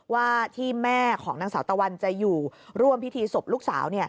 ว่าที่แม่ของนางสาวตะวันจะอยู่ร่วมพิธีศพลูกสาว